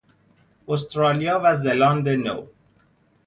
استرالیا و زلاند نو